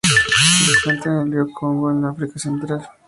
Se encuentra en el río Congo en África Central.